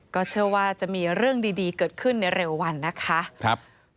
ก็เชื่อว่าจะมีเรื่องดีเกิดขึ้นในเร็ววันนะคะ